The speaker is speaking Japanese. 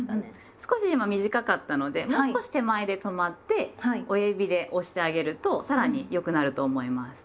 少し今短かったのでもう少し手前で止まって親指で押してあげるとさらに良くなると思います。